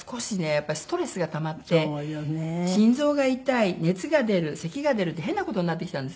やっぱりストレスがたまって心臓が痛い熱が出るせきが出るって変な事になってきたんです。